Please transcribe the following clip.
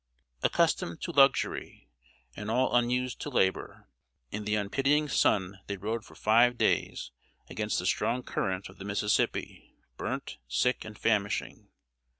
Accustomed to luxury, and all unused to labor, in the unpitying sun they rowed for five days against the strong current of the Mississippi, burnt, sick, and famishing.